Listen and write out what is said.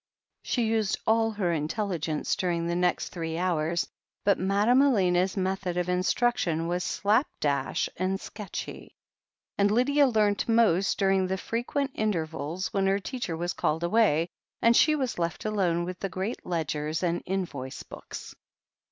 She used all her intelligence during the next three hours, but Madame Elena's method of instruction was slap dash and sketchy, and Lydia learnt most during the frequent intervals when her teacher was called away, and she was left alone with the great ledgers and invoice books.